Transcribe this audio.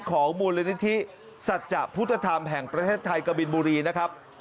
ของมูลนิธิสัจจะพุทธธรรมแห่งประเทศไทยกบินบุรีนะครับ